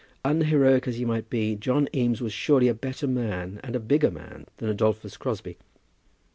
Unheroic as he might be, John Eames was surely a better man and a bigger man than Adolphus Crosbie.